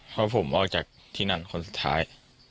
เพราะผมออกจากที่นั่นคนสุดท้าย